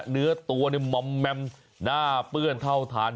เนื้อตัวเหมางหน้าเปื่อนเท่าท้าย